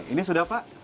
ini sudah pak